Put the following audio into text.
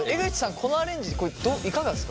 このアレンジいかがですか？